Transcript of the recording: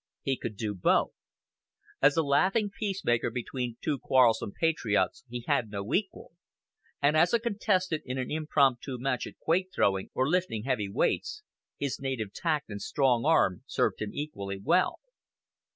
He could do both. As a laughing peacemaker between two quarrelsome patriots he had no equal; and as contestant in an impromptu match at quoit throwing, or lifting heavy weights, his native tact and strong arm served him equally well.